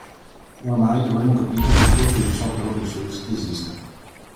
Oramai avremo capito che il costo di un software open source esiste.